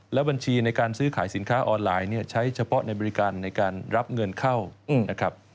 และบัญชีในการซื้อขายสินค้าออนไลน์เนี่ยใช้เฉพาะในบริการในการรับเงินเข้านะครับ